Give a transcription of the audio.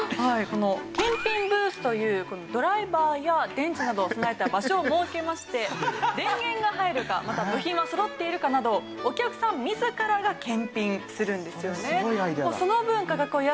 この検品ブースというドライバーや電池などを備えた場所を設けまして電源が入るかまた部品はそろっているかなどお客さん自らが検品するんですよね。